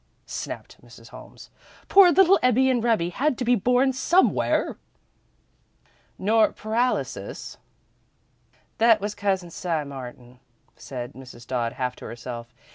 snapped Mrs. Holmes. "Poor little Ebbie and Rebbie had to be born somewhere." "Nor paralysis " "That was Cousin Si Martin," said Mrs. Dodd, half to herself.